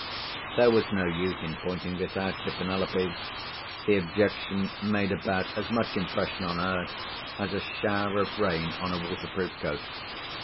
There was no use in pointing this out to Penelope; the objection made about as much impression on her as a shower of rain on a waterproof coat.